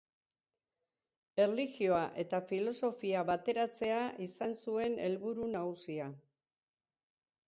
Erlijioa eta filosofia bateratzea izan zuen helburu nagusia.